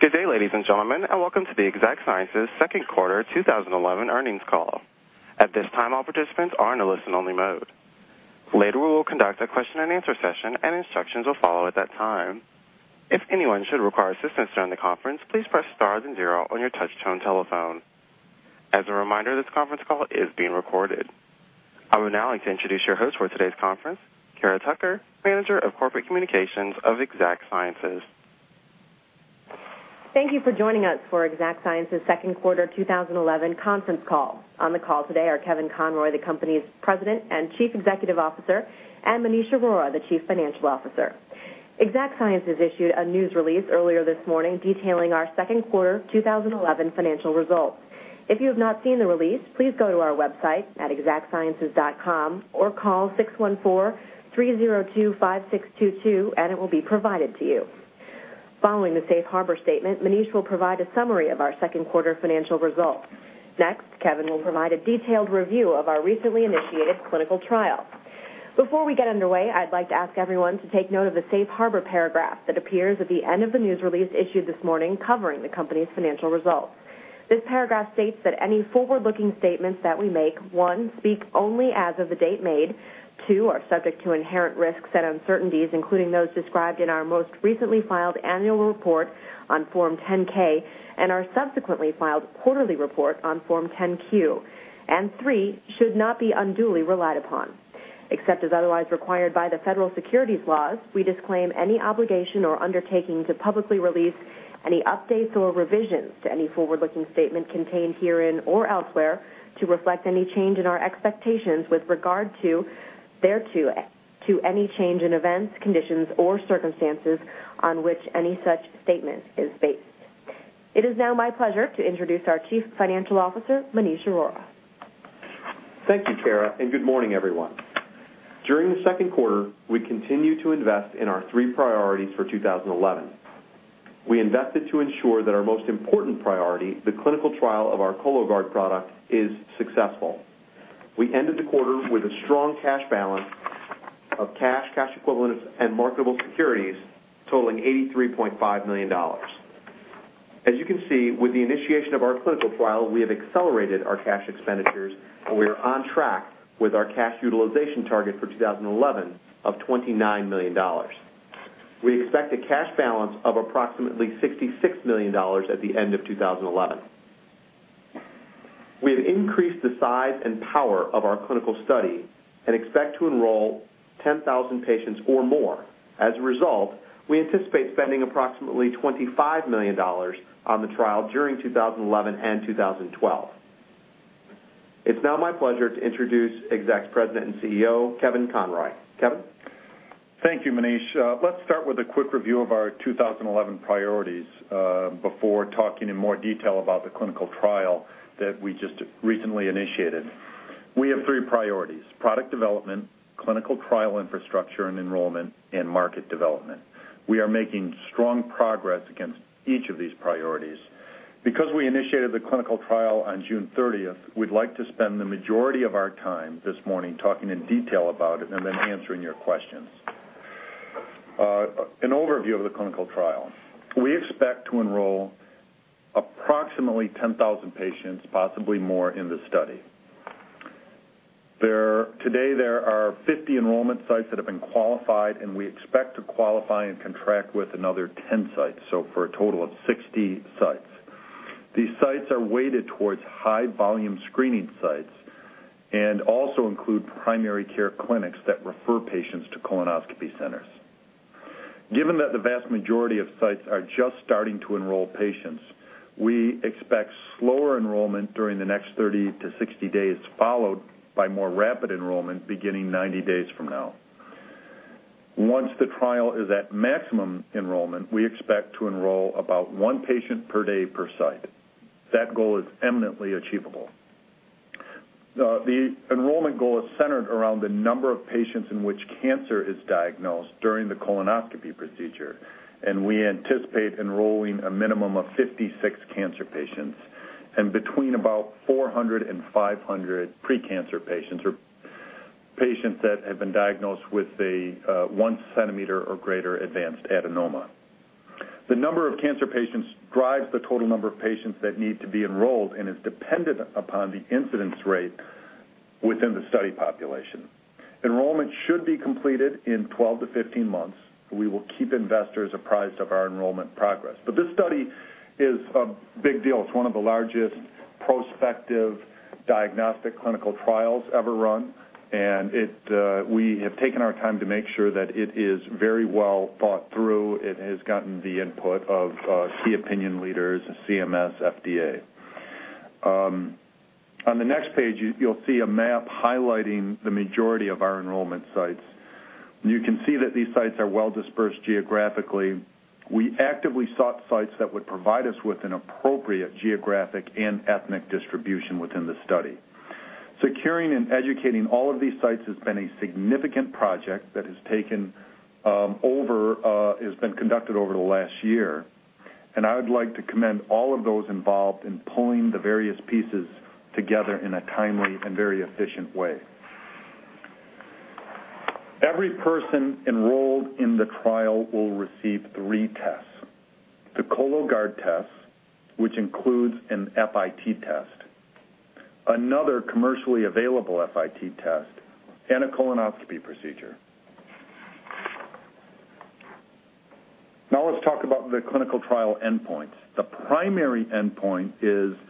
Good day, ladies and gentlemen, and welcome to the Exact Sciences second quarter 2011 earnings call. At this time, all participants are in a listen-only mode. Later, we will conduct a question-and-answer session, and instructions will follow at that time. If anyone should require assistance during the conference, please press star and zero on your touch-tone telephone. As a reminder, this conference call is being recorded. I would now like to introduce your host for today's conference, Cara Tucker, Manager of Corporate Communications of Exact Sciences. Thank you for joining us for Exact Sciences second quarter 2011 conference call. On the call today are Kevin Conroy, the company's President and Chief Executive Officer, and Maneesh Arora, the Chief Financial Officer. Exact Sciences issued a news release earlier this morning detailing our second quarter 2011 financial results. If you have not seen the release, please go to our website at exactsciences.com or call 614-302-5622, and it will be provided to you. Following the safe harbor statement, Maneesh will provide a summary of our second quarter financial results. Next, Kevin will provide a detailed review of our recently initiated clinical trial. Before we get underway, I'd like to ask everyone to take note of the safe harbor paragraph that appears at the end of the news release issued this morning covering the company's financial results. This paragraph states that any forward-looking statements that we make, one, speak only as of the date made, two, are subject to inherent risks and uncertainties, including those described in our most recently filed annual report on Form 10-K and our subsequently filed quarterly report on Form 10-Q, and three, should not be unduly relied upon. Except as otherwise required by the federal securities laws, we disclaim any obligation or undertaking to publicly release any updates or revisions to any forward-looking statement contained herein or elsewhere to reflect any change in our expectations with regard to any change in events, conditions, or circumstances on which any such statement is based. It is now my pleasure to introduce our Chief Financial Officer, Maneesh Arora. Thank you, Kara, and good morning, everyone. During the second quarter, we continue to invest in our three priorities for 2011. We invested to ensure that our most important priority, the clinical trial of our Cologuard product, is successful. We ended the quarter with a strong cash balance of cash, cash equivalents, and marketable securities totaling $83.5 million. As you can see, with the initiation of our clinical trial, we have accelerated our cash expenditures, and we are on track with our cash utilization target for 2011 of $29 million. We expect a cash balance of approximately $66 million at the end of 2011. We have increased the size and power of our clinical study and expect to enroll 10,000 patients or more. As a result, we anticipate spending approximately $25 million on the trial during 2011 and 2012. It's now my pleasure to introduce Exact's President and CEO, Kevin Conroy. Kevin? Thank you, Maneesh. Let's start with a quick review of our 2011 priorities before talking in more detail about the clinical trial that we just recently initiated. We have three priorities: product development, clinical trial infrastructure and enrollment, and market development. We are making strong progress against each of these priorities. Because we initiated the clinical trial on June 30th, we'd like to spend the majority of our time this morning talking in detail about it and then answering your questions. An overview of the clinical trial: we expect to enroll approximately 10,000 patients, possibly more, in the study. Today, there are 50 enrollment sites that have been qualified, and we expect to qualify and contract with another 10 sites, for a total of 60 sites. These sites are weighted towards high-volume screening sites and also include primary care clinics that refer patients to colonoscopy centers. Given that the vast majority of sites are just starting to enroll patients, we expect slower enrollment during the next 30-60 days, followed by more rapid enrollment beginning 90 days from now. Once the trial is at maximum enrollment, we expect to enroll about one patient per day per site. That goal is eminently achievable. The enrollment goal is centered around the number of patients in which cancer is diagnosed during the colonoscopy procedure, and we anticipate enrolling a minimum of 56 cancer patients and between about 400-500 precancer patients, or patients that have been diagnosed with a 1-centimeter or greater advanced adenoma. The number of cancer patients drives the total number of patients that need to be enrolled and is dependent upon the incidence rate within the study population. Enrollment should be completed in 12-15 months, and we will keep investors apprised of our enrollment progress. This study is a big deal. It is one of the largest prospective diagnostic clinical trials ever run, and we have taken our time to make sure that it is very well thought through. It has gotten the input of key opinion leaders, CMS, FDA. On the next page, you will see a map highlighting the majority of our enrollment sites. You can see that these sites are well dispersed geographically. We actively sought sites that would provide us with an appropriate geographic and ethnic distribution within the study. Securing and educating all of these sites has been a significant project that has been conducted over the last year, and I would like to commend all of those involved in pulling the various pieces together in a timely and very efficient way. Every person enrolled in the trial will receive three tests: the Cologuard test, which includes an FIT test, another commercially available FIT test, and a colonoscopy procedure. Now, let's talk about the clinical trial endpoints. The primary endpoint is the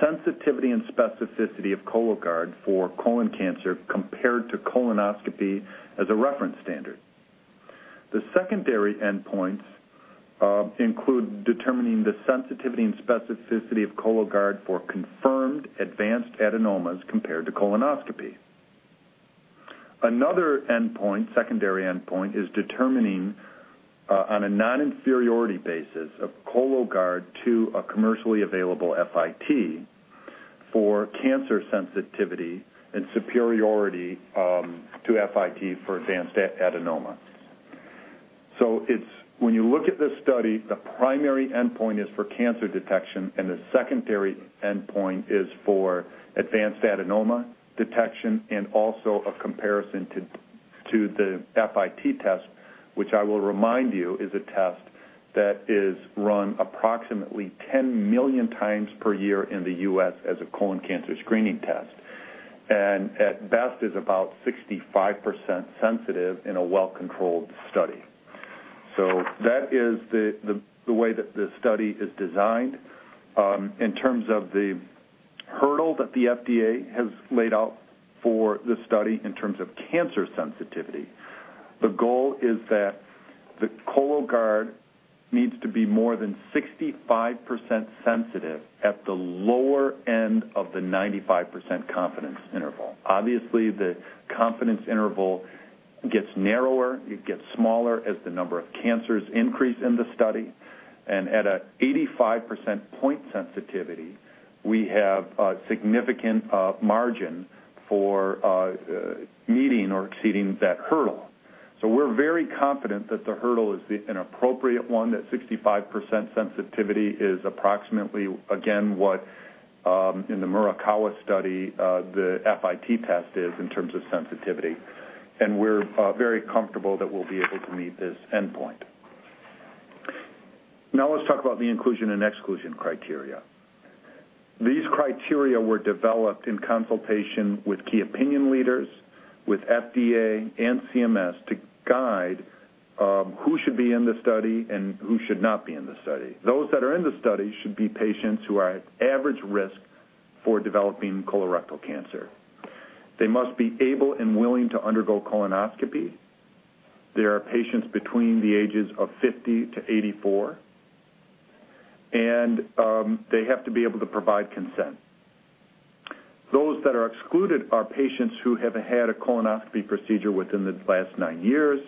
sensitivity and specificity of Cologuard for colon cancer compared to colonoscopy as a reference standard. The secondary endpoints include determining the sensitivity and specificity of Cologuard for confirmed advanced adenomas compared to colonoscopy. Another secondary endpoint is determining, on a non-inferiority basis, of Cologuard to a commercially available FIT for cancer sensitivity and superiority to FIT for advanced adenoma. When you look at this study, the primary endpoint is for cancer detection, and the secondary endpoint is for advanced adenoma detection and also a comparison to the FIT test, which I will remind you is a test that is run approximately 10x million per year in the U.S. as a colon cancer screening test, and at best is about 65% sensitive in a well-controlled study. That is the way that the study is designed. In terms of the hurdle that the FDA has laid out for the study in terms of cancer sensitivity, the goal is that the Cologuard needs to be more than 65% sensitive at the lower end of the 95% confidence interval. Obviously, the confidence interval gets narrower, it gets smaller as the number of cancers increase in the study. At an 85% point sensitivity, we have a significant margin for meeting or exceeding that hurdle. We are very confident that the hurdle is an appropriate one, that 65% sensitivity is approximately, again, what in the Murakawa study, the FIT test is in terms of sensitivity. We are very comfortable that we will be able to meet this endpoint. Now, let's talk about the inclusion and exclusion criteria. These criteria were developed in consultation with key opinion leaders, with FDA and CMS, to guide who should be in the study and who should not be in the study. Those that are in the study should be patients who are at average risk for developing colorectal cancer. They must be able and willing to undergo colonoscopy. There are patients between the ages of 50-84, and they have to be able to provide consent. Those that are excluded are patients who have had a colonoscopy procedure within the last nine years.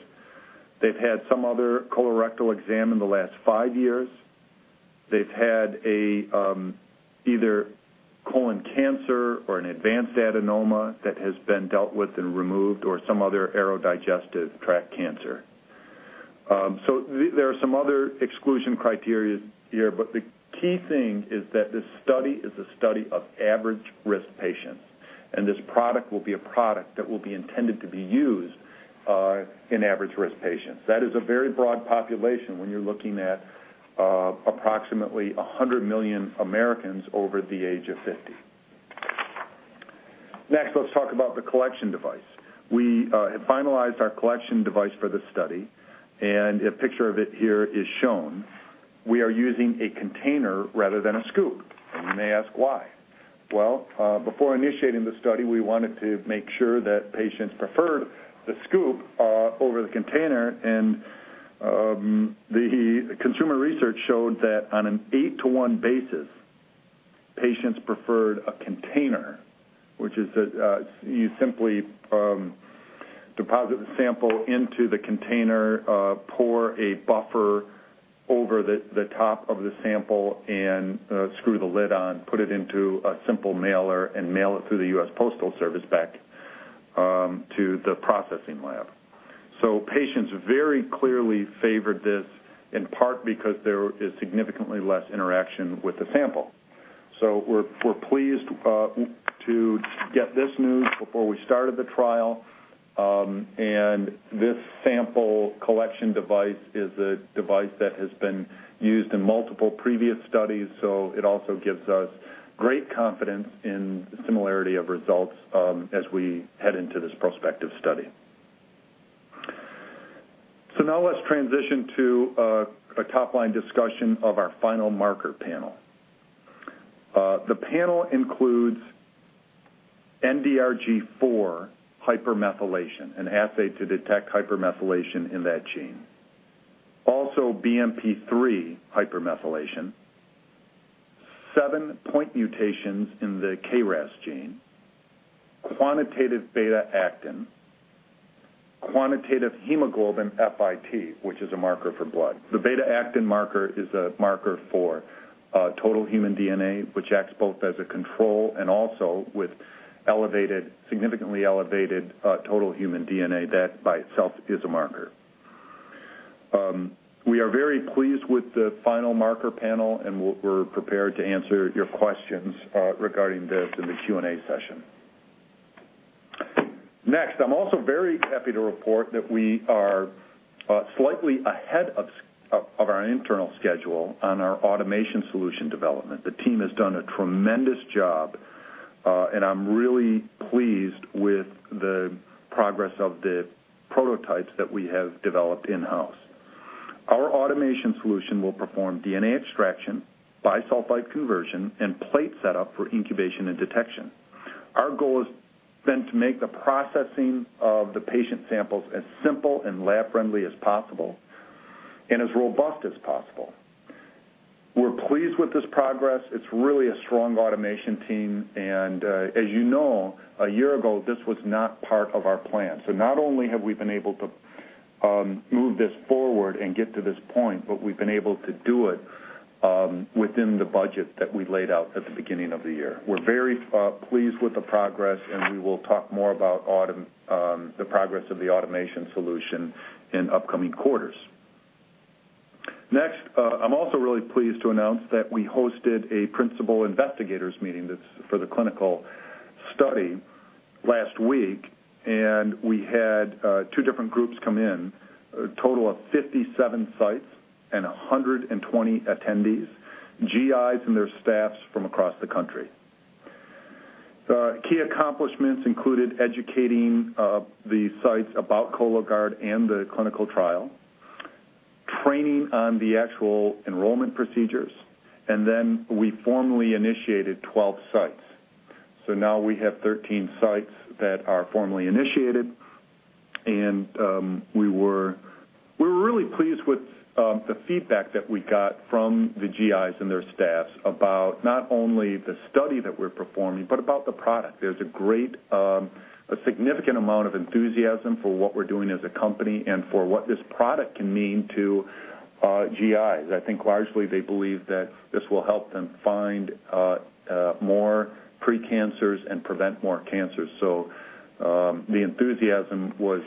They've had some other colorectal exam in the last five years. They've had either colon cancer or an advanced adenoma that has been dealt with and removed, or some other aerodigestive tract cancer. There are some other exclusion criteria here, but the key thing is that this study is a study of average risk patients, and this product will be a product that will be intended to be used in average risk patients. That is a very broad population when you're looking at approximately 100 million Americans over the age of 50. Next, let's talk about the collection device. We have finalized our collection device for the study, and a picture of it here is shown. We are using a container rather than a scoop, and you may ask why. Before initiating the study, we wanted to make sure that patients preferred the scoop over the container, and the consumer research showed that on an eight-to-one basis, patients preferred a container, which is that you simply deposit the sample into the container, pour a buffer over the top of the sample, and screw the lid on, put it into a simple mailer, and mail it through the US Postal Service back to the processing lab. Patients very clearly favored this, in part because there is significantly less interaction with the sample. We're pleased to get this news before we started the trial, and this sample collection device is a device that has been used in multiple previous studies, so it also gives us great confidence in the similarity of results as we head into this prospective study. Now let's transition to a top-line discussion of our final marker panel. The panel includes NDRG4 hypermethylation, an assay to detect hypermethylation in that gene. Also, BMP3 hypermethylation, seven point mutations in the KRAS gene, quantitative beta-actin, quantitative hemoglobin FIT, which is a marker for blood. The beta-actin marker is a marker for total human DNA, which acts both as a control and also with significantly elevated total human DNA. That by itself is a marker. We are very pleased with the final marker panel, and we're prepared to answer your questions regarding this in the Q&A session. Next, I'm also very happy to report that we are slightly ahead of our internal schedule on our automation solution development. The team has done a tremendous job, and I'm really pleased with the progress of the prototypes that we have developed in-house. Our automation solution will perform DNA extraction, bisulfite conversion, and plate setup for incubation and detection. Our goal has been to make the processing of the patient samples as simple and lab-friendly as possible and as robust as possible. We're pleased with this progress. It's really a strong automation team, and as you know, a year ago, this was not part of our plan. Not only have we been able to move this forward and get to this point, but we've been able to do it within the budget that we laid out at the beginning of the year. We're very pleased with the progress, and we will talk more about the progress of the automation solution in upcoming quarters. Next, I'm also really pleased to announce that we hosted a principal investigators meeting for the clinical study last week, and we had two different groups come in, a total of 57 sites and 120 attendees, GIs and their staffs from across the country. Key accomplishments included educating the sites about Cologuard and the clinical trial, training on the actual enrollment procedures, and then we formally initiated 12 sites. Now we have 13 sites that are formally initiated, and we were really pleased with the feedback that we got from the GIs and their staffs about not only the study that we're performing but about the product. There's a significant amount of enthusiasm for what we're doing as a company and for what this product can mean to GIs. I think largely they believe that this will help them find more precancers and prevent more cancers. The enthusiasm was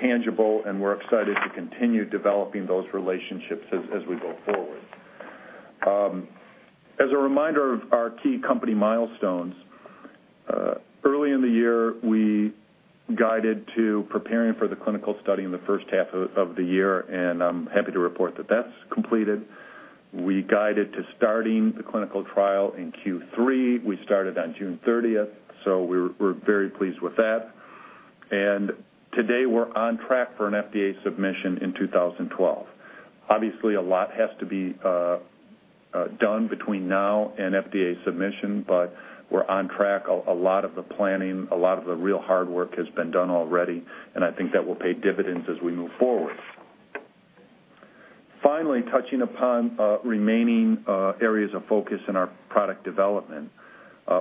tangible, and we're excited to continue developing those relationships as we go forward. As a reminder of our key company milestones, early in the year, we guided to preparing for the clinical study in the first half of the year, and I'm happy to report that that's completed. We guided to starting the clinical trial in Q3. We started on June 30th, so we're very pleased with that. Today, we're on track for an FDA submission in 2012. Obviously, a lot has to be done between now and FDA submission, but we're on track. A lot of the planning, a lot of the real hard work has been done already, and I think that will pay dividends as we move forward. Finally, touching upon remaining areas of focus in our product development,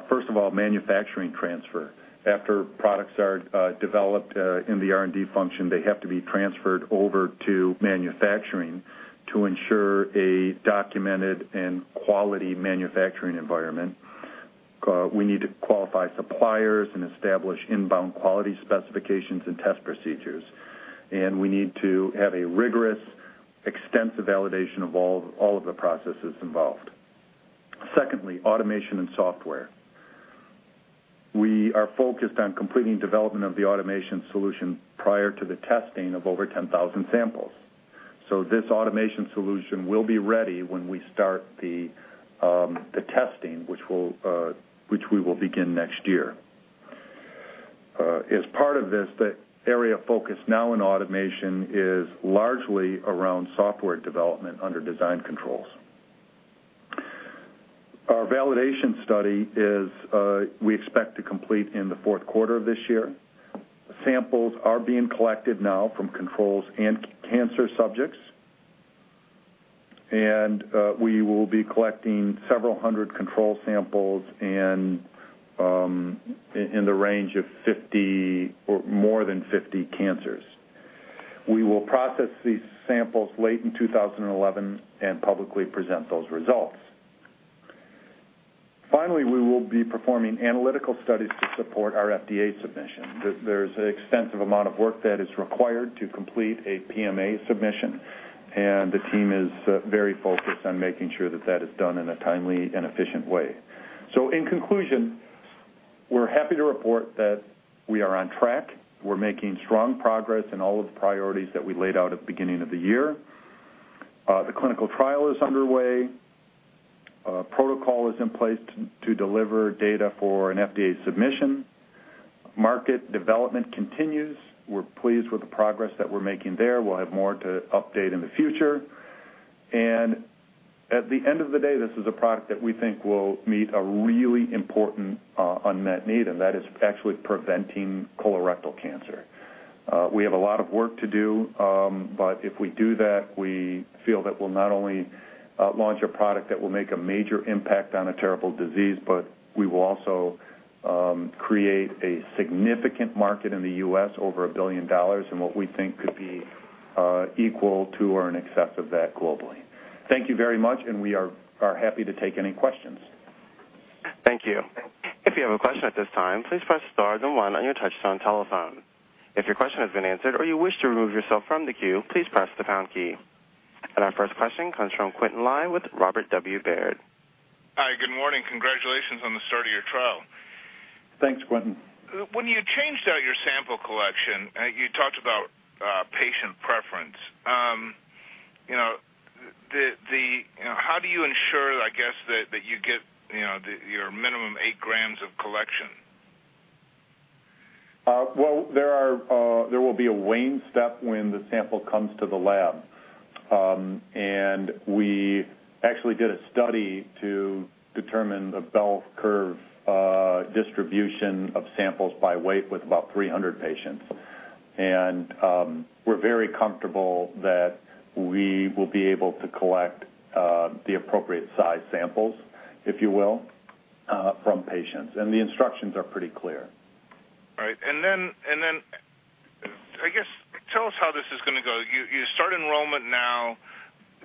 first of all, manufacturing transfer. After products are developed in the R&D function, they have to be transferred over to manufacturing to ensure a documented and quality manufacturing environment. We need to qualify suppliers and establish inbound quality specifications and test procedures, and we need to have a rigorous, extensive validation of all of the processes involved. Secondly, automation and software. We are focused on completing development of the automation solution prior to the testing of over 10,000 samples. This automation solution will be ready when we start the testing, which we will begin next year. As part of this, the area of focus now in automation is largely around software development under design controls. Our validation study we expect to complete in the fourth quarter of this year. Samples are being collected now from controls and cancer subjects, and we will be collecting several hundred control samples in the range of more than 50 cancers. We will process these samples late in 2011 and publicly present those results. Finally, we will be performing analytical studies to support our FDA submission. There is an extensive amount of work that is required to complete a PMA submission, and the team is very focused on making sure that is done in a timely and efficient way. In conclusion, we're happy to report that we are on track. We're making strong progress in all of the priorities that we laid out at the beginning of the year. The clinical trial is underway. Protocol is in place to deliver data for an FDA submission. Market development continues. We're pleased with the progress that we're making there. We'll have more to update in the future. At the end of the day, this is a product that we think will meet a really important unmet need, and that is actually preventing colorectal cancer. We have a lot of work to do, but if we do that, we feel that we'll not only launch a product that will make a major impact on a terrible disease, but we will also create a significant market in the U.S. over $1 billion in what we think could be equal to or in excess of that globally. Thank you very much, and we are happy to take any questions. Thank you. If you have a question at this time, please press star then one on your touchstone telephone. If your question has been answered or you wish to remove yourself from the queue, please press the pound key. Our first question comes from Quinton Lai with Robert W. Baird. Hi, good morning. Congratulations on the start of your trial. Thanks, Quinton. When you changed out your sample collection, you talked about patient preference. How do you ensure, I guess, that you get your minimum 8g of collection? There will be a weighing step when the sample comes to the lab, and we actually did a study to determine the bell curve distribution of samples by weight with about 300 patients. We are very comfortable that we will be able to collect the appropriate size samples, if you will, from patients. The instructions are pretty clear. All right. I guess, tell us how this is going to go. You start enrollment now.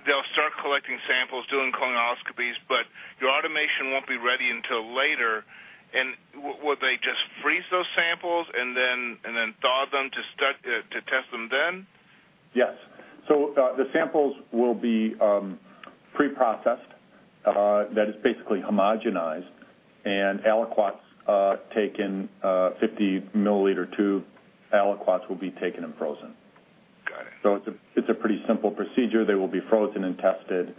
They'll start collecting samples, doing colonoscopies, but your automation won't be ready until later. Will they just freeze those samples and then thaw them to test them then? Yes. The samples will be pre-processed. That is basically homogenized, and aliquots taken. Fifty milliliter tube aliquots will be taken and frozen. It is a pretty simple procedure. They will be frozen and tested.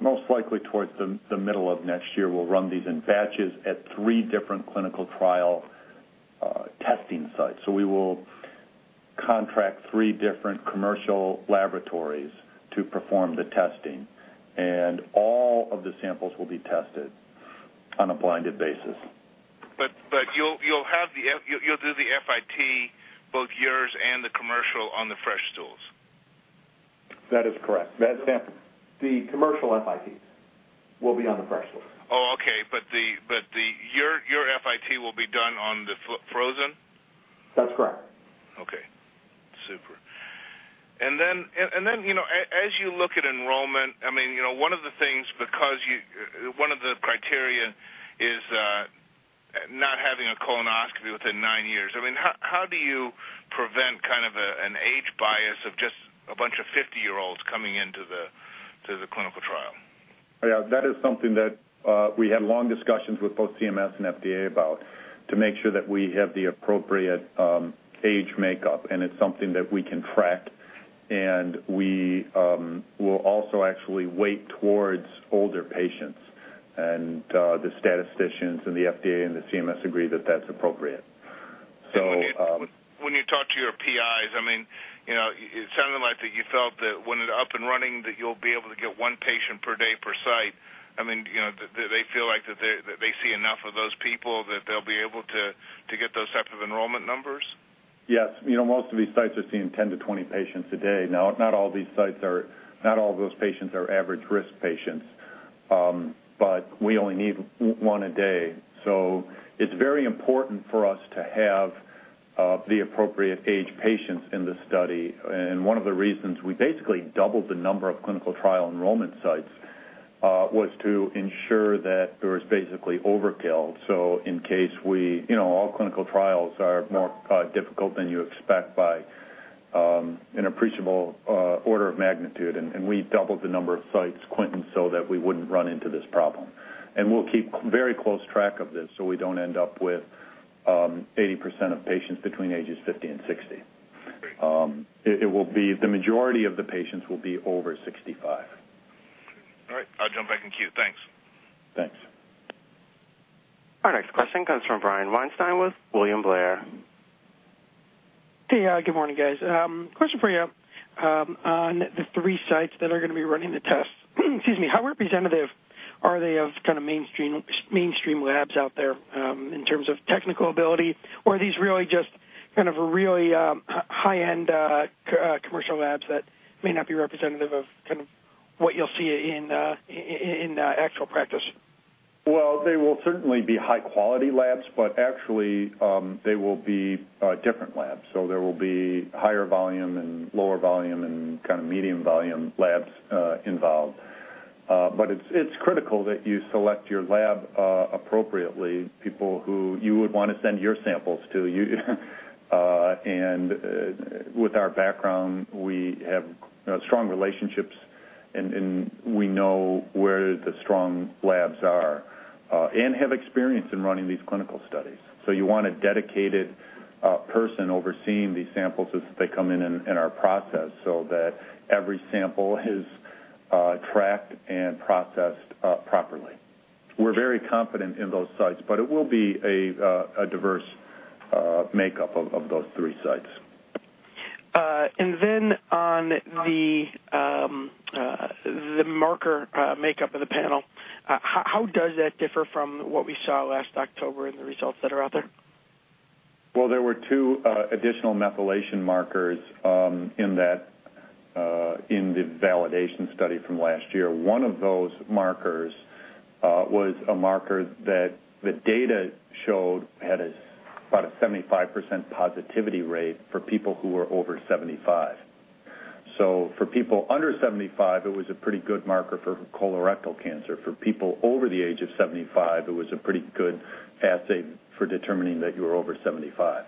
Most likely, towards the middle of next year, we will run these in batches at three different clinical trial testing sites. We will contract three different commercial laboratories to perform the testing, and all of the samples will be tested on a blinded basis. You'll do the FIT, both yours and the commercial, on the fresh stools? That is correct. The commercial FITs will be on the fresh stools. Oh, okay. But your FIT will be done on the frozen? That's correct. Okay. Super. I mean, as you look at enrollment, I mean, one of the things because one of the criteria is not having a colonoscopy within nine years. I mean, how do you prevent kind of an age bias of just a bunch of 50-year-olds coming into the clinical trial? Yeah. That is something that we had long discussions with both CMS and FDA about to make sure that we have the appropriate age makeup, and it is something that we can track. We will also actually weight towards older patients, and the statisticians and the FDA and the CMS agree that that is appropriate. When you talk to your PIs, I mean, it sounded like that you felt that when it's up and running that you'll be able to get one patient per day per site. I mean, do they feel like that they see enough of those people that they'll be able to get those type of enrollment numbers? Yes. Most of these sites are seeing 10-20 patients a day. Now, not all of those patients are average risk patients, but we only need one a day. It is very important for us to have the appropriate age patients in the study. One of the reasons we basically doubled the number of clinical trial enrollment sites was to ensure that there was basically overkill. In case all clinical trials are more difficult than you expect by an appreciable order of magnitude, we doubled the number of sites, Quinton, so that we would not run into this problem. We will keep very close track of this so we do not end up with 80% of patients between ages 50 and 60. The majority of the patients will be over 65. All right. I'll jump back in queue. Thanks. Thanks. Our next question comes from Brian Weinstein with William Blair. Hey, good morning, guys. Question for you on the three sites that are going to be running the tests. Excuse me. How representative are they of kind of mainstream labs out there in terms of technical ability, or are these really just kind of really high-end commercial labs that may not be representative of kind of what you'll see in actual practice? They will certainly be high-quality labs, but actually, they will be different labs. There will be higher volume and lower volume and kind of medium volume labs involved. It is critical that you select your lab appropriately, people who you would want to send your samples to. With our background, we have strong relationships, and we know where the strong labs are and have experience in running these clinical studies. You want a dedicated person overseeing these samples as they come in our process so that every sample is tracked and processed properly. We are very confident in those sites, but it will be a diverse makeup of those three sites. On the marker makeup of the panel, how does that differ from what we saw last October and the results that are out there? There were two additional methylation markers in the validation study from last year. One of those markers was a marker that the data showed had about a 75% positivity rate for people who were over 75. For people under 75, it was a pretty good marker for colorectal cancer. For people over the age of 75, it was a pretty good assay for determining that you were over 75.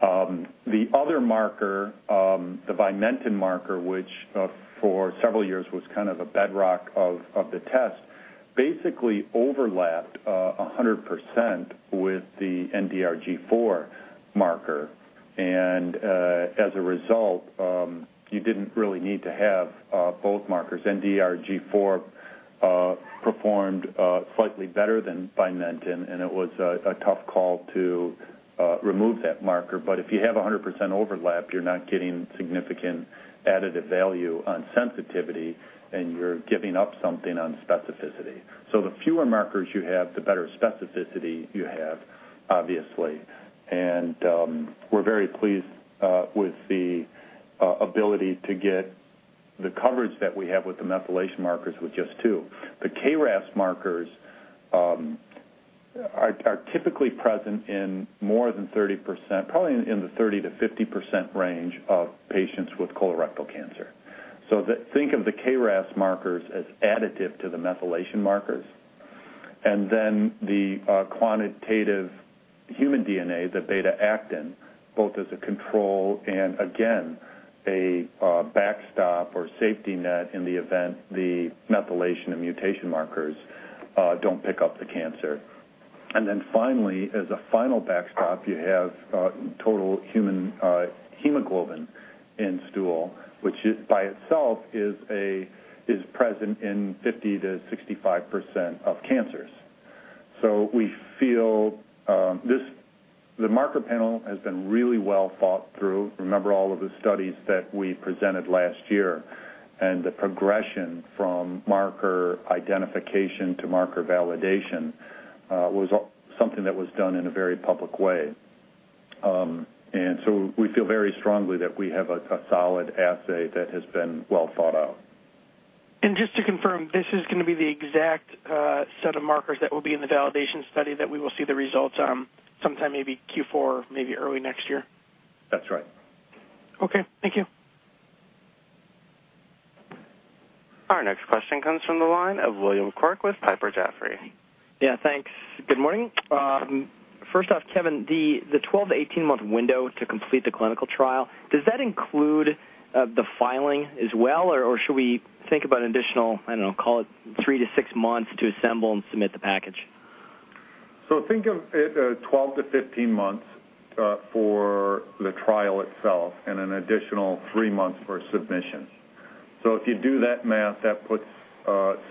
The other marker, the Vimentin marker, which for several years was kind of a bedrock of the test, basically overlapped 100% with the NDRG4 marker. As a result, you did not really need to have both markers. NDRG4 performed slightly better than Vimentin, and it was a tough call to remove that marker. If you have 100% overlap, you are not getting significant additive value on sensitivity, and you are giving up something on specificity. The fewer markers you have, the better specificity you have, obviously. We are very pleased with the ability to get the coverage that we have with the methylation markers with just two. The KRAS markers are typically present in more than 30%, probably in the 30%-50% range of patients with colorectal cancer. Think of the KRAS markers as additive to the methylation markers. The quantitative human DNA, the beta-actin, is both a control and, again, a backstop or safety net in the event the methylation and mutation markers do not pick up the cancer. Finally, as a final backstop, you have total human hemoglobin in stool, which by itself is present in 50%-65% of cancers. We feel the marker panel has been really well thought through. Remember all of the studies that we presented last year, and the progression from marker identification to marker validation was something that was done in a very public way. We feel very strongly that we have a solid assay that has been well thought out. Just to confirm, this is going to be the exact set of markers that will be in the validation study that we will see the results on sometime maybe Q4, maybe early next year? That's right. Okay. Thank you. Our next question comes from the line of William Quirk with Piper Jaffray. Yeah. Thanks. Good morning. First off, Kevin, the 12-18 month window to complete the clinical trial, does that include the filing as well, or should we think about additional, I don't know, call it three to six months to assemble and submit the package? Think of it as 12-15 months for the trial itself and an additional three months for submission. If you do that math, that puts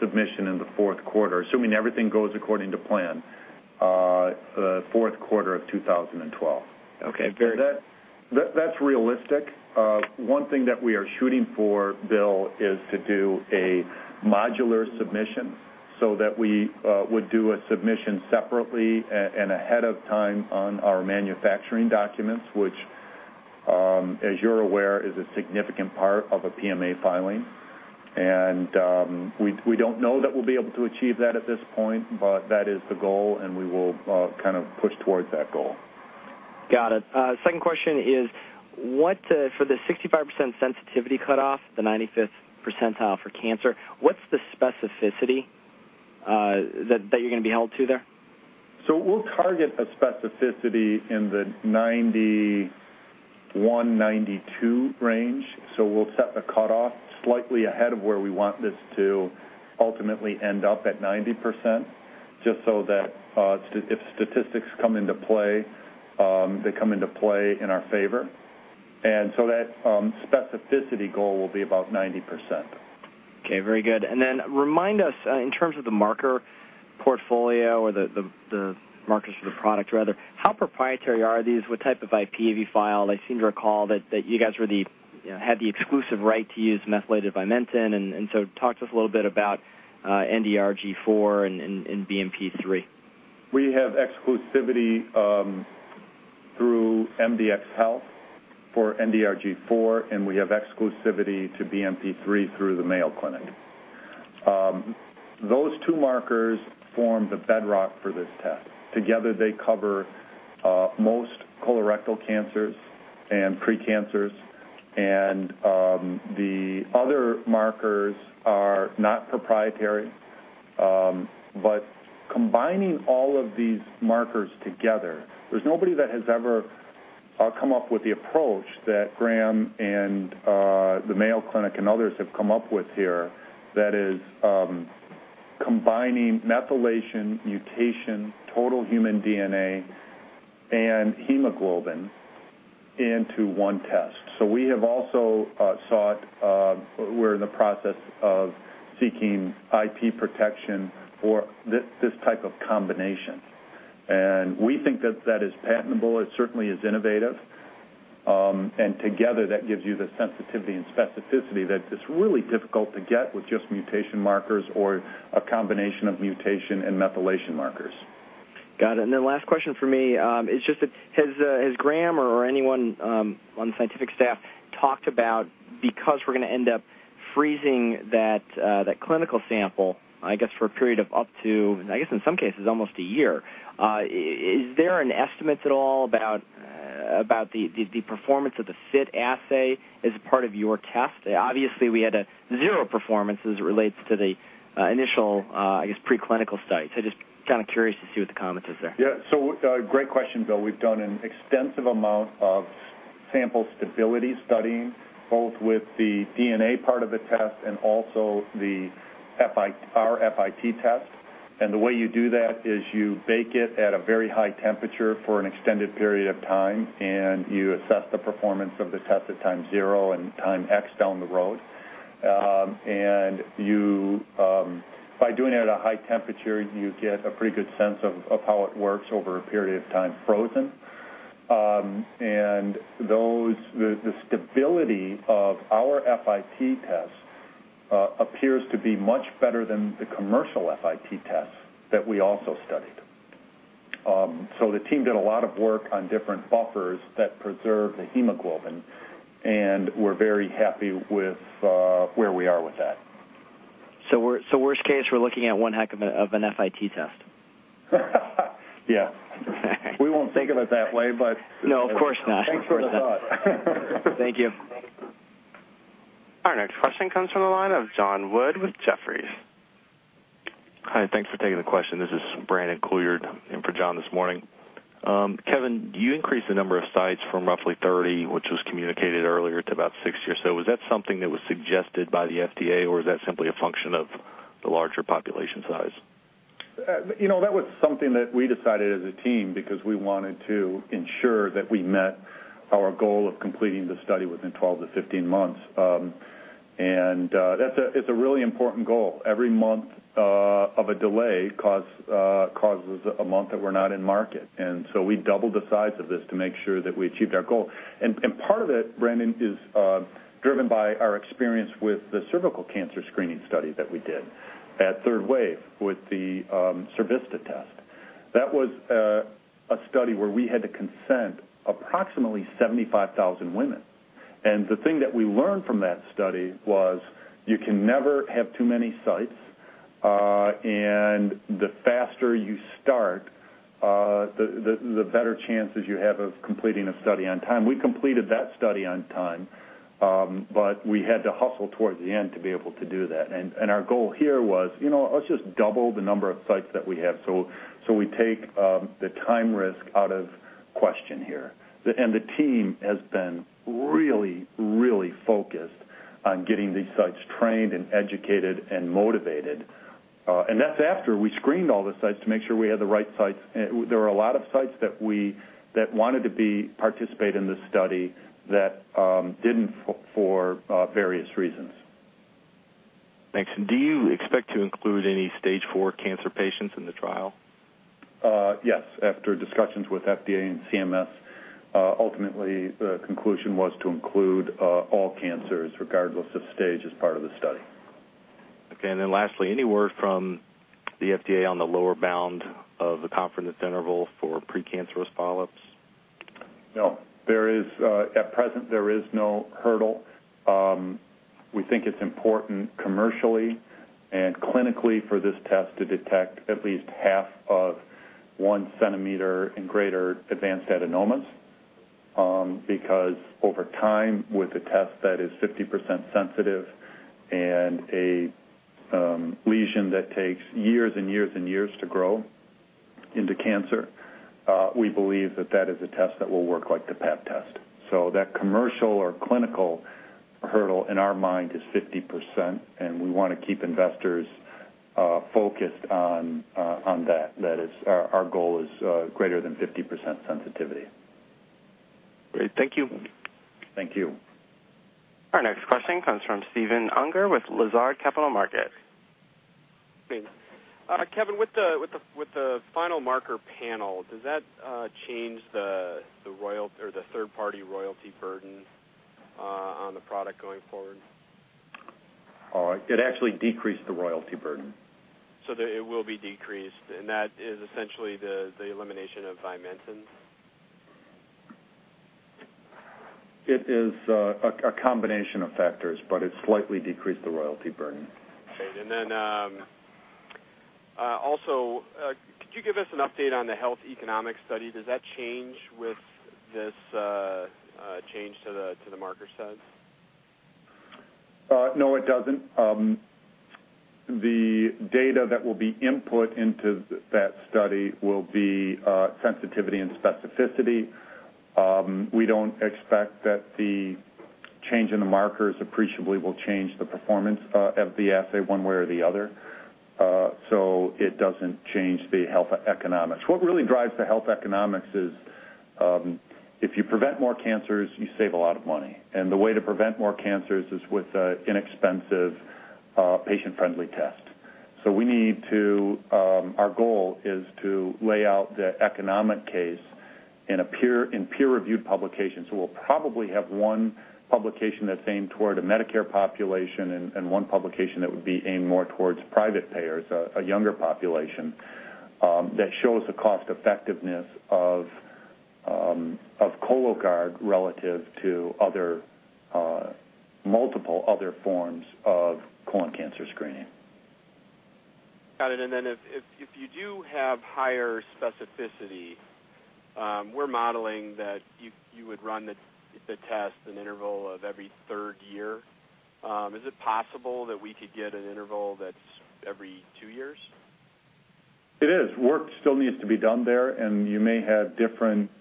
submission in the fourth quarter, assuming everything goes according to plan, the fourth quarter of 2012. That is realistic. One thing that we are shooting for, Bill, is to do a modular submission so that we would do a submission separately and ahead of time on our manufacturing documents, which, as you're aware, is a significant part of a PMA filing. We do not know that we'll be able to achieve that at this point, but that is the goal, and we will kind of push towards that goal. Got it. Second question is, for the 65% sensitivity cutoff, the 95th percentile for cancer, what's the specificity that you're going to be held to there? We'll target a specificity in the 91%-92% range. We'll set the cutoff slightly ahead of where we want this to ultimately end up at 90% just so that if statistics come into play, they come into play in our favor. That specificity goal will be about 90%. Okay. Very good. Then remind us, in terms of the marker portfolio or the markers for the product, rather, how proprietary are these? What type of IP have you filed? I seem to recall that you guys had the exclusive right to use methylated Vimentin. Talk to us a little bit about NDRG4 and BMP3. We have exclusivity through MDX Health for NDRG4, and we have exclusivity to BMP3 through the Mayo Clinic. Those two markers form the bedrock for this test. Together, they cover most colorectal cancers and precancers. The other markers are not proprietary. Combining all of these markers together, there's nobody that has ever come up with the approach that Graham and the Mayo Clinic and others have come up with here that is combining methylation, mutation, total human DNA, and hemoglobin into one test. We have also sought, we're in the process of seeking, IP protection for this type of combination. We think that that is patentable. It certainly is innovative. Together, that gives you the sensitivity and specificity that's really difficult to get with just mutation markers or a combination of mutation and methylation markers. Got it. Last question for me is just, has Graham or anyone on the scientific staff talked about, because we're going to end up freezing that clinical sample, I guess, for a period of up to, I guess, in some cases, almost a year, is there an estimate at all about the performance of the FIT assay as part of your test? Obviously, we had zero performance as it relates to the initial, I guess, preclinical studies. Just kind of curious to see what the comment is there. Yeah. Great question, Bill. We've done an extensive amount of sample stability studying, both with the DNA part of the test and also our FIT test. The way you do that is you bake it at a very high temperature for an extended period of time, and you assess the performance of the test at time zero and time X down the road. By doing it at a high temperature, you get a pretty good sense of how it works over a period of time frozen. The stability of our FIT test appears to be much better than the commercial FIT test that we also studied. The team did a lot of work on different buffers that preserve the hemoglobin, and we're very happy with where we are with that. Worst case, we're looking at one heck of an FIT test. Yeah. We won't think of it that way, but. No, of course not. Thanks for the thought. Thank you. Our next question comes from the line of John Wood with Jefferies. Hi. Thanks for taking the question. This is Brandon Couillard for John this morning. Kevin, you increased the number of sites from roughly 30, which was communicated earlier, to about 60 or so. Was that something that was suggested by the FDA, or was that simply a function of the larger population size? That was something that we decided as a team because we wanted to ensure that we met our goal of completing the study within 12-15 months. It is a really important goal. Every month of a delay causes a month that we are not in market. We doubled the size of this to make sure that we achieved our goal. Part of it, Brandon, is driven by our experience with the cervical cancer screening study that we did at Third Wave with the Cervista test. That was a study where we had to consent approximately 75,000 women. The thing that we learned from that study was you can never have too many sites. The faster you start, the better chances you have of completing a study on time. We completed that study on time, but we had to hustle towards the end to be able to do that. Our goal here was, let's just double the number of sites that we have. We take the time risk out of question here. The team has been really, really focused on getting these sites trained and educated and motivated. That's after we screened all the sites to make sure we had the right sites. There were a lot of sites that wanted to participate in this study that didn't for various reasons. Thanks. Do you expect to include any stage four cancer patients in the trial? Yes. After discussions with FDA and CMS, ultimately, the conclusion was to include all cancers regardless of stage as part of the study. Okay. Lastly, any word from the FDA on the lower bound of the confidence interval for precancerous polyps? No. At present, there is no hurdle. We think it's important commercially and clinically for this test to detect at least half of 1 centimeter and greater advanced adenomas because over time, with a test that is 50% sensitive and a lesion that takes years and years and years to grow into cancer, we believe that that is a test that will work like the PEP test. That commercial or clinical hurdle in our mind is 50%, and we want to keep investors focused on that. Our goal is greater than 50% sensitivity. Great. Thank you. Thank you. Our next question comes from Stephen Unger with Lazard Capital Markets. Kevin, with the final marker panel, does that change the third-party royalty burden on the product going forward? It actually decreased the royalty burden. It will be decreased. That is essentially the elimination of Vimentin? It is a combination of factors, but it slightly decreased the royalty burden. Great. Could you give us an update on the health economics study? Does that change with this change to the marker size? No, it doesn't. The data that will be input into that study will be sensitivity and specificity. We don't expect that the change in the markers appreciably will change the performance of the assay one way or the other. It doesn't change the health economics. What really drives the health economics is if you prevent more cancers, you save a lot of money. The way to prevent more cancers is with an inexpensive patient-friendly test. Our goal is to lay out the economic case in peer-reviewed publications. We'll probably have one publication that's aimed toward a Medicare population and one publication that would be aimed more towards private payers, a younger population, that shows the cost-effectiveness of Cologuard relative to multiple other forms of colon cancer screening. Got it. If you do have higher specificity, we're modeling that you would run the test at an interval of every third year. Is it possible that we could get an interval that's every two years? It is. Work still needs to be done there, and you may have different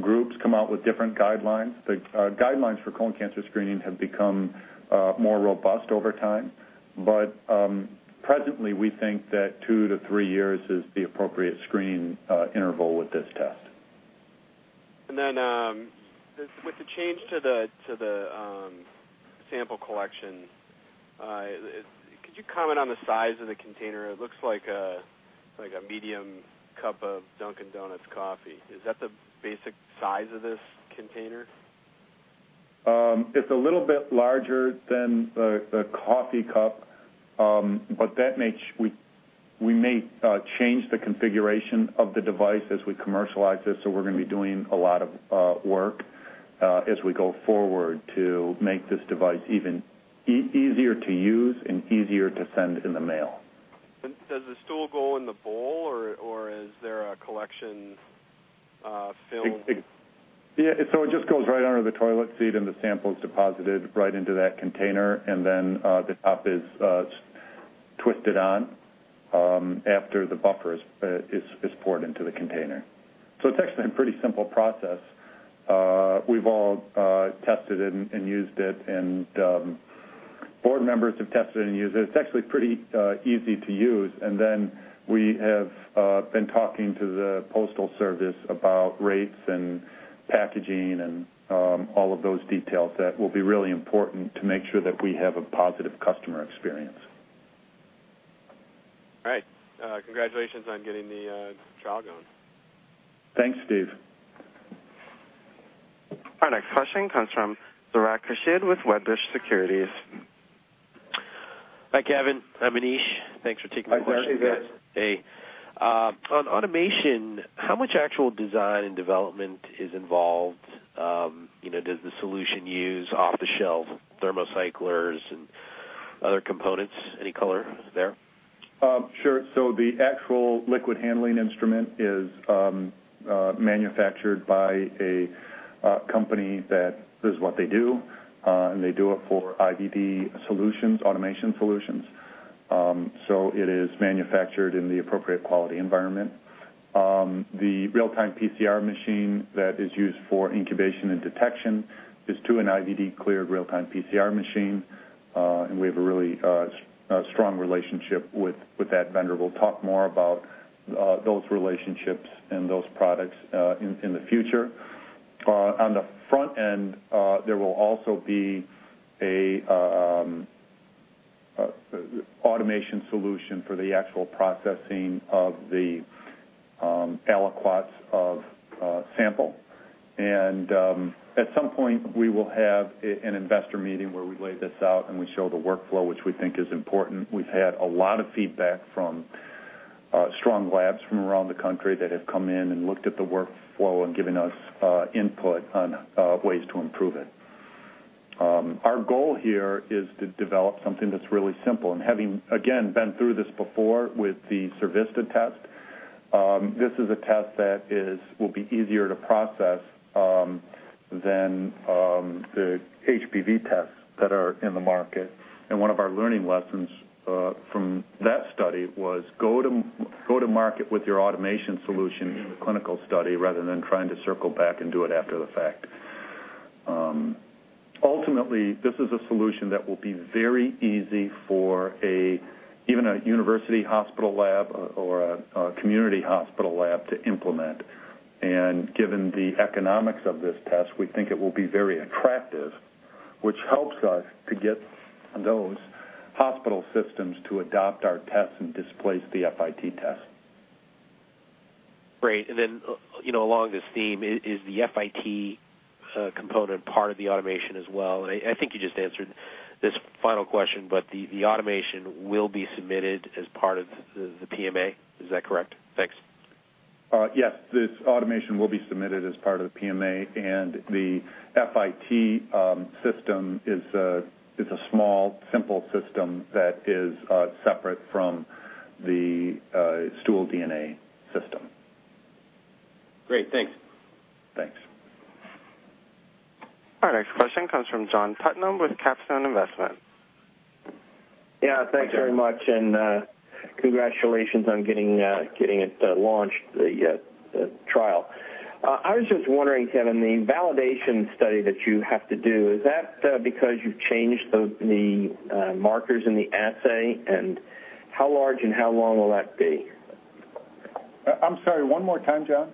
groups come out with different guidelines. The guidelines for colon cancer screening have become more robust over time. Presently, we think that two to three years is the appropriate screening interval with this test. With the change to the sample collection, could you comment on the size of the container? It looks like a medium cup of Dunkin' Donuts coffee. Is that the basic size of this container? It's a little bit larger than the coffee cup, but we may change the configuration of the device as we commercialize this. We are going to be doing a lot of work as we go forward to make this device even easier to use and easier to send in the mail. Does the stool go in the bowl, or is there a collection film? Yeah. It just goes right under the toilet seat, and the sample is deposited right into that container. The top is twisted on after the buffer is poured into the container. It is actually a pretty simple process. We have all tested it and used it, and board members have tested it and used it. It is actually pretty easy to use. We have been talking to the postal service about rates and packaging and all of those details that will be really important to make sure that we have a positive customer experience. All right. Congratulations on getting the trial going. Thanks, Steve. Our next question comes from Zohra Kashid with Wedbush Securities. Hi, Kevin. I'm Anish. Thanks for taking the question. Hi, Zohra. Hey. On automation, how much actual design and development is involved? Does the solution use off-the-shelf thermocycles and other components? Any color there? Sure. The actual liquid handling instrument is manufactured by a company that does what they do, and they do it for IVD automation solutions. It is manufactured in the appropriate quality environment. The real-time PCR machine that is used for incubation and detection is to an IVD-cleared real-time PCR machine. We have a really strong relationship with that vendor. We will talk more about those relationships and those products in the future. On the front end, there will also be an automation solution for the actual processing of the aliquots of sample. At some point, we will have an investor meeting where we lay this out, and we show the workflow, which we think is important. We have had a lot of feedback from strong labs from around the country that have come in and looked at the workflow and given us input on ways to improve it. Our goal here is to develop something that's really simple. Having, again, been through this before with the Cervista test, this is a test that will be easier to process than the HPV tests that are in the market. One of our learning lessons from that study was go to market with your automation solution in the clinical study rather than trying to circle back and do it after the fact. Ultimately, this is a solution that will be very easy for even a university hospital lab or a community hospital lab to implement. Given the economics of this test, we think it will be very attractive, which helps us to get those hospital systems to adopt our tests and displace the FIT test. Great. Along this theme, is the FIT component part of the automation as well? I think you just answered this final question, but the automation will be submitted as part of the PMA. Is that correct? Thanks. Yes. This automation will be submitted as part of the PMA, and the FIT system is a small, simple system that is separate from the stool DNA system. Great. Thanks. Thanks. Our next question comes from John Putnam with Capstone Investment. Yeah. Thanks very much. Congratulations on getting it launched, the trial. I was just wondering, Kevin, the validation study that you have to do, is that because you've changed the markers in the assay? How large and how long will that be? I'm sorry. One more time, John.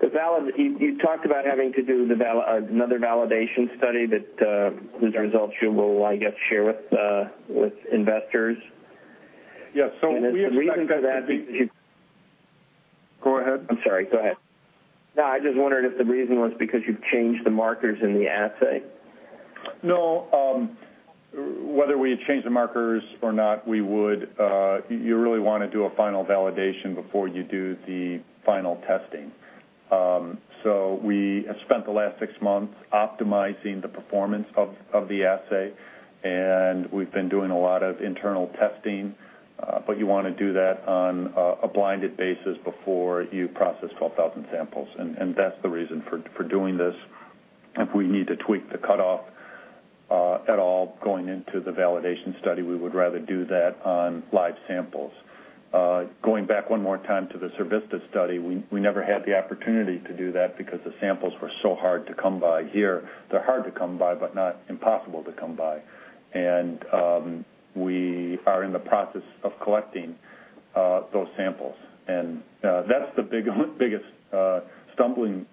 You talked about having to do another validation study that the results you will, I guess, share with investors. Yes. The reason for that. Go ahead. I'm sorry. Go ahead. No, I just wondered if the reason was because you've changed the markers in the assay. No. Whether we had changed the markers or not, we would. You really want to do a final validation before you do the final testing. We have spent the last six months optimizing the performance of the assay, and we've been doing a lot of internal testing. You want to do that on a blinded basis before you process 12,000 samples. That is the reason for doing this. If we need to tweak the cutoff at all going into the validation study, we would rather do that on live samples. Going back one more time to the Cervista study, we never had the opportunity to do that because the samples were so hard to come by here. They're hard to come by, but not impossible to come by. We are in the process of collecting those samples. That is the biggest stumbling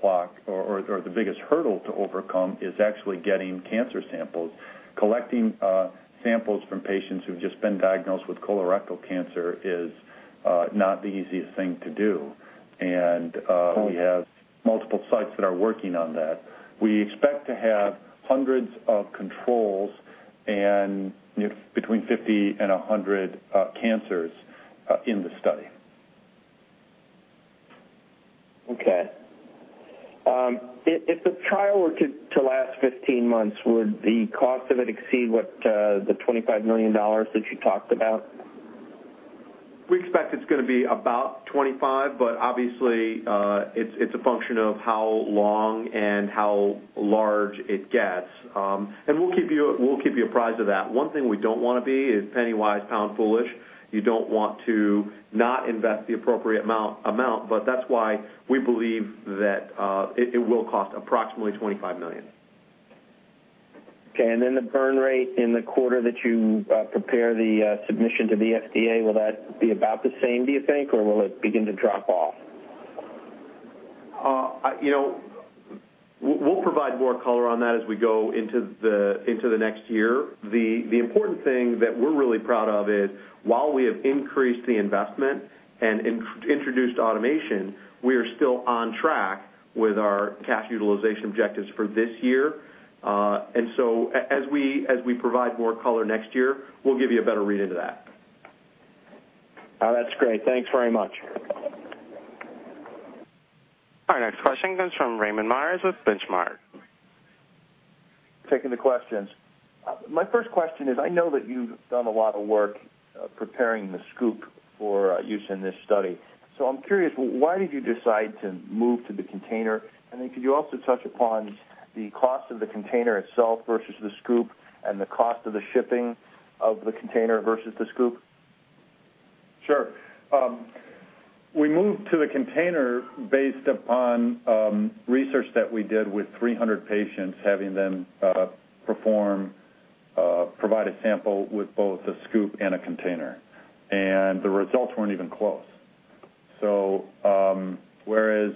block or the biggest hurdle to overcome, actually getting cancer samples. Collecting samples from patients who have just been diagnosed with colorectal cancer is not the easiest thing to do. We have multiple sites that are working on that. We expect to have hundreds of controls and between 50 and 100 cancers in the study. Okay. If the trial were to last 15 months, would the cost of it exceed the $25 million that you talked about? We expect it's going to be about 25, but obviously, it's a function of how long and how large it gets. We'll keep you apprised of that. One thing we don't want to be is penny-wise, pound-foolish. You don't want to not invest the appropriate amount. That's why we believe that it will cost approximately $25 million. Okay. And then the burn rate in the quarter that you prepare the submission to the FDA, will that be about the same, do you think, or will it begin to drop off? We'll provide more color on that as we go into the next year. The important thing that we're really proud of is while we have increased the investment and introduced automation, we are still on track with our cash utilization objectives for this year. As we provide more color next year, we'll give you a better read into that. That's great. Thanks very much. Our next question comes from Raymond Myers with Benchmark. Taking the questions. My first question is, I know that you've done a lot of work preparing the scoop for use in this study. I'm curious, why did you decide to move to the container? Could you also touch upon the cost of the container itself versus the scoop and the cost of the shipping of the container versus the scoop? Sure. We moved to the container based upon research that we did with 300 patients, having them provide a sample with both a scoop and a container. The results were not even close. Whereas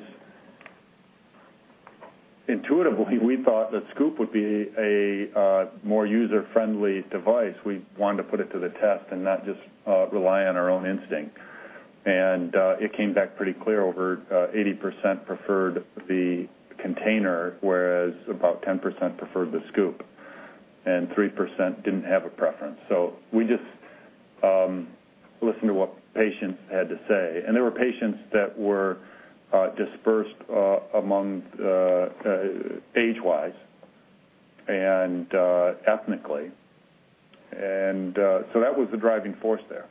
intuitively, we thought the scoop would be a more user-friendly device, we wanted to put it to the test and not just rely on our own instinct. It came back pretty clear, over 80% preferred the container, whereas about 10% preferred the scoop, and 3% did not have a preference. We just listened to what patients had to say. There were patients that were dispersed age-wise and ethnically. That was the driving force there.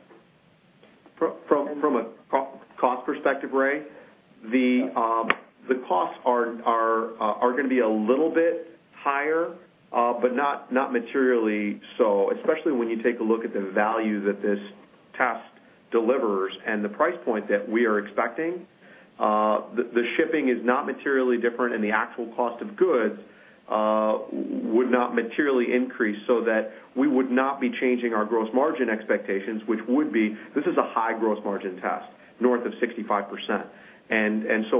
From a cost perspective, Ray, the costs are going to be a little bit higher, but not materially so, especially when you take a look at the value that this test delivers and the price point that we are expecting. The shipping is not materially different, and the actual cost of goods would not materially increase so that we would not be changing our gross margin expectations, which would be this is a high gross margin test, north of 65%.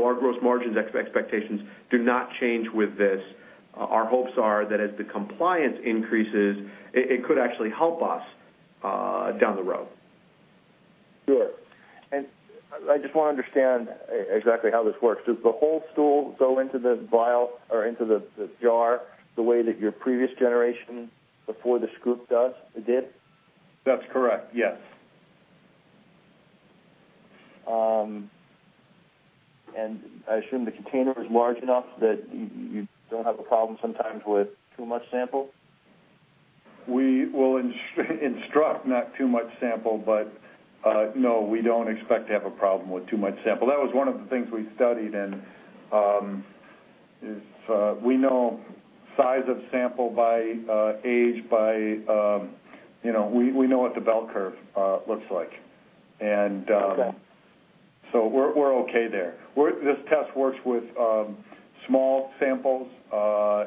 Our gross margins expectations do not change with this. Our hopes are that as the compliance increases, it could actually help us down the road. Sure. I just want to understand exactly how this works. Does the whole stool go into the vial or into the jar the way that your previous generation before the scoop did? That's correct. Yes. I assume the container is large enough that you don't have a problem sometimes with too much sample? We will instruct not too much sample, but no, we do not expect to have a problem with too much sample. That was one of the things we studied. We know size of sample by age, we know what the bell curve looks like. We are okay there. This test works with small samples.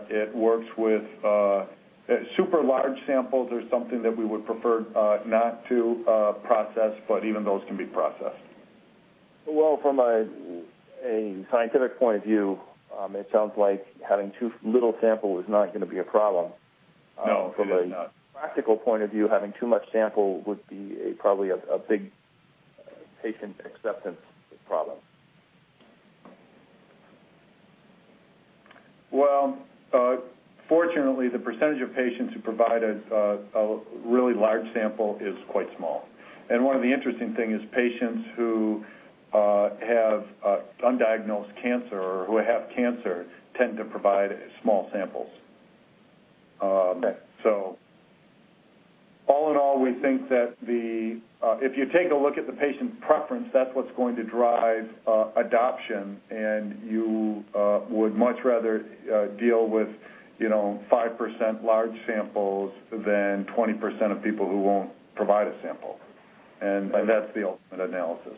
It works with super large samples. There is something that we would prefer not to process, but even those can be processed. From a scientific point of view, it sounds like having too little sample is not going to be a problem. No, it's not. From a practical point of view, having too much sample would be probably a big patient acceptance problem. Fortunately, the percentage of patients who provide a really large sample is quite small. One of the interesting things is patients who have undiagnosed cancer or who have cancer tend to provide small samples. All in all, we think that if you take a look at the patient preference, that's what's going to drive adoption. You would much rather deal with 5% large samples than 20% of people who won't provide a sample. That's the ultimate analysis.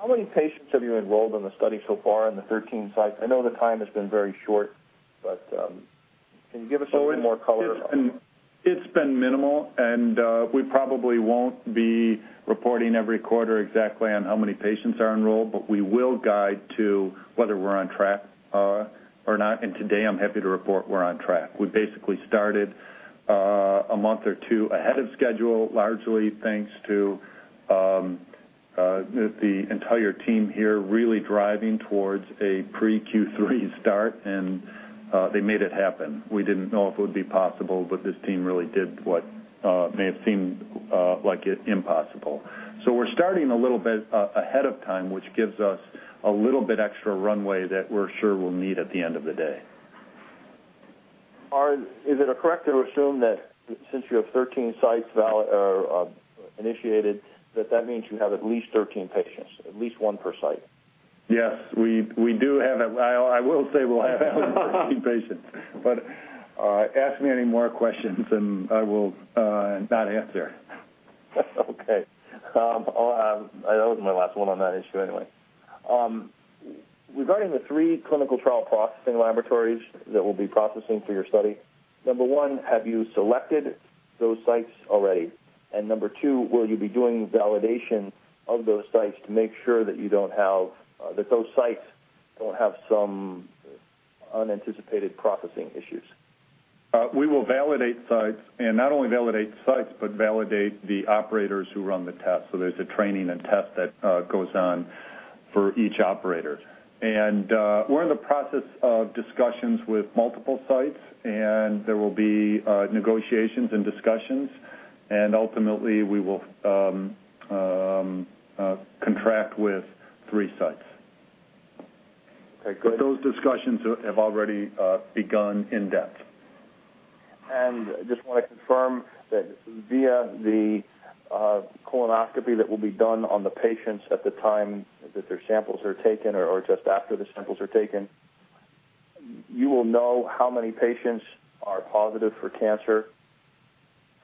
How many patients have you enrolled in the study so far in the 13 sites? I know the time has been very short, but can you give us a little more color? It's been minimal. We probably won't be reporting every quarter exactly on how many patients are enrolled, but we will guide to whether we're on track or not. Today, I'm happy to report we're on track. We basically started a month or two ahead of schedule, largely thanks to the entire team here really driving towards a pre-Q3 start. They made it happen. We didn't know if it would be possible, but this team really did what may have seemed like impossible. We're starting a little bit ahead of time, which gives us a little bit extra runway that we're sure we'll need at the end of the day. Is it correct to assume that since you have 13 sites initiated, that that means you have at least 13 patients, at least one per site? Yes. We do have a, I will say, we'll have 13 patients. Ask me any more questions, and I will not answer. Okay. That was my last one on that issue anyway. Regarding the three clinical trial processing laboratories that will be processing for your study, number one, have you selected those sites already? Number two, will you be doing validation of those sites to make sure that you don't have, that those sites don't have some unanticipated processing issues? We will validate sites and not only validate sites, but validate the operators who run the test. There is a training and test that goes on for each operator. We are in the process of discussions with multiple sites, and there will be negotiations and discussions. Ultimately, we will contract with three sites. Okay. Good. Those discussions have already begun in depth. I just want to confirm that via the colonoscopy that will be done on the patients at the time that their samples are taken or just after the samples are taken, you will know how many patients are positive for cancer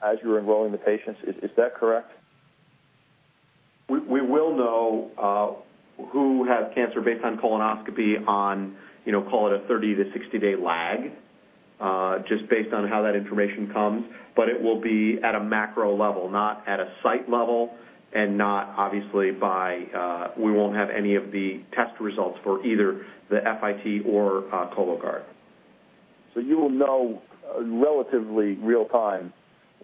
as you're enrolling the patients. Is that correct? We will know who has cancer based on colonoscopy on, call it a 30-60 day lag, just based on how that information comes. It will be at a macro level, not at a site level, and not obviously by we won't have any of the test results for either the FIT or Cologuard. You will know relatively real-time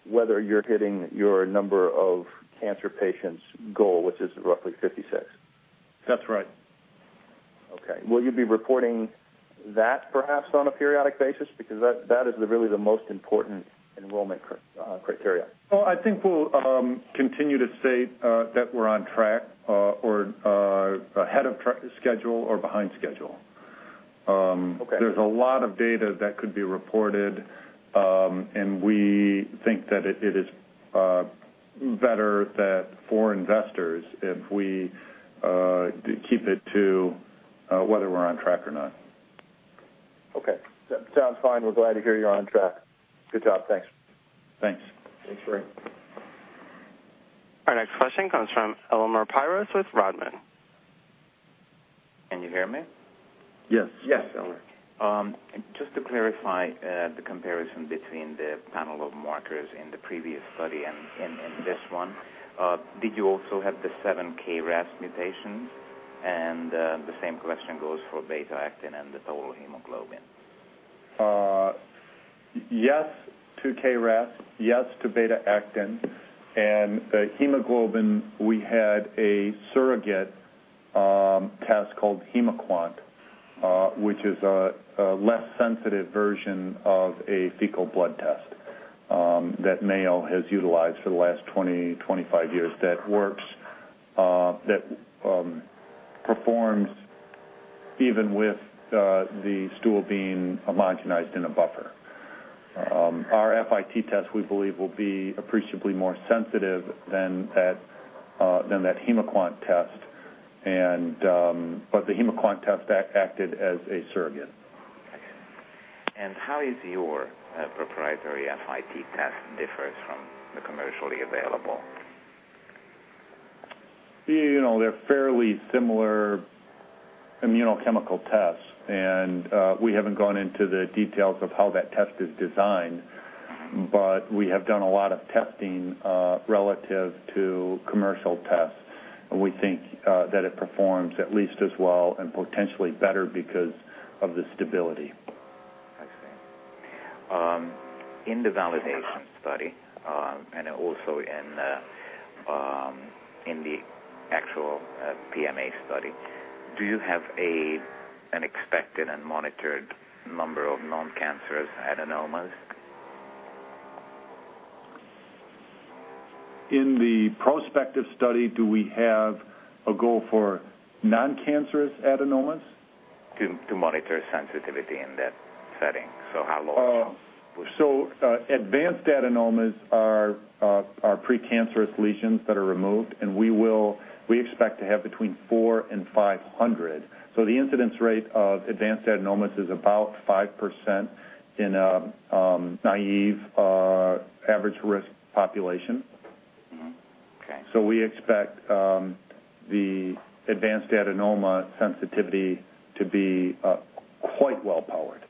whether you're hitting your number of cancer patients goal, which is roughly 56? That's right. Okay. Will you be reporting that perhaps on a periodic basis? Because that is really the most important enrollment criteria. I think we'll continue to state that we're on track or ahead of schedule or behind schedule. There's a lot of data that could be reported, and we think that it is better for investors if we keep it to whether we're on track or not. Okay. Sounds fine. We're glad to hear you're on track. Good job. Thanks. Thanks. Thanks, Ray. Our next question comes from Elmer Pyros with Rodman. Can you hear me? Yes. Yes, Elmer. Just to clarify the comparison between the panel of markers in the previous study and in this one, did you also have the 7 KRAS mutations? And the same question goes for beta-actin and the total hemoglobin. Yes to KRAS, yes to beta-actin. The hemoglobin, we had a surrogate test called HemoQuant, which is a less sensitive version of a fecal blood test that Mayo has utilized for the last 20-25 years that performs even with the stool being homogenized in a buffer. Our FIT test, we believe, will be appreciably more sensitive than that HemoQuant test. The HemoQuant test acted as a surrogate. How is your proprietary FIT test different from the commercially available? They're fairly similar immunochemical tests. We haven't gone into the details of how that test is designed, but we have done a lot of testing relative to commercial tests. We think that it performs at least as well and potentially better because of the stability. I see. In the validation study and also in the actual PMA study, do you have an expected and monitored number of non-cancerous adenomas? In the prospective study, do we have a goal for non-cancerous adenomas? To monitor sensitivity in that setting. How long? Advanced adenomas are precancerous lesions that are removed. We expect to have between 400 and 500. The incidence rate of advanced adenomas is about 5% in a naive average risk population. We expect the advanced adenoma sensitivity to be quite well-powered.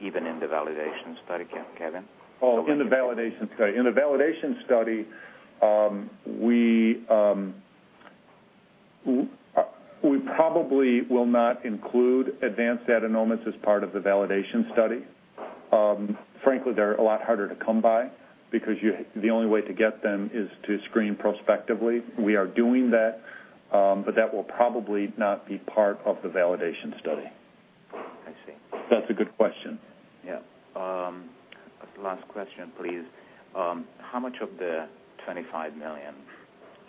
Even in the validation study, Kevin? Oh, in the validation study. In the validation study, we probably will not include advanced adenomas as part of the validation study. Frankly, they're a lot harder to come by because the only way to get them is to screen prospectively. We are doing that, but that will probably not be part of the validation study. I see. That's a good question. Yeah. Last question, please. How much of the $25 million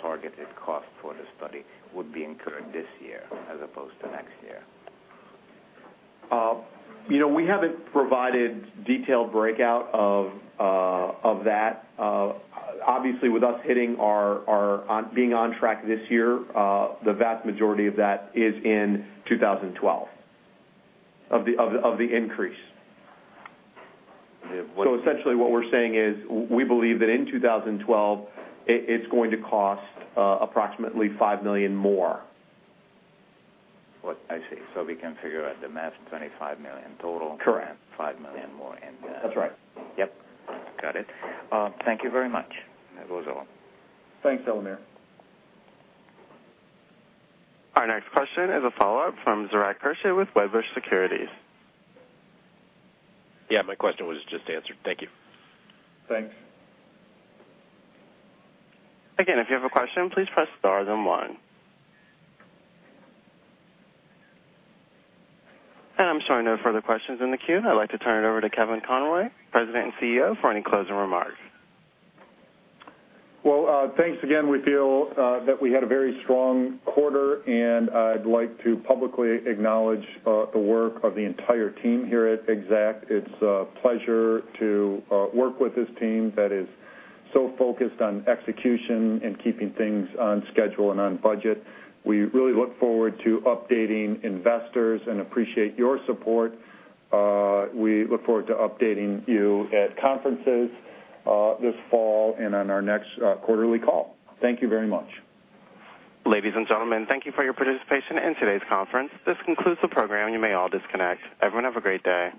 targeted cost for the study would be incurred this year as opposed to next year? We haven't provided detailed breakout of that. Obviously, with us hitting our being on track this year, the vast majority of that is in 2012 of the increase. Essentially, what we're saying is we believe that in 2012, it's going to cost approximately $5 million more. I see. So we can figure out the mass $25 million total, $5 million more in the. Correct. That's right. Yep. Got it. Thank you very much, Elmer. Thanks, Elmer. Our next question is a follow-up from Zohra Kashid with Wedbush Securities. Yeah. My question was just answered. Thank you. Thanks. Again, if you have a question, please press star then one. I'm showing no further questions in the queue. I'd like to turn it over to Kevin Conroy, President and CEO, for any closing remarks. Thank you again. We feel that we had a very strong quarter, and I'd like to publicly acknowledge the work of the entire team here at Exact Sciences. It's a pleasure to work with this team that is so focused on execution and keeping things on schedule and on budget. We really look forward to updating investors and appreciate your support. We look forward to updating you at conferences this fall and on our next quarterly call. Thank you very much. Ladies and gentlemen, thank you for your participation in today's conference. This concludes the program. You may all disconnect. Everyone have a great day.